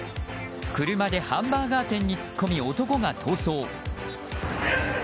車でハンバーガー店に突っ込み男が逃走。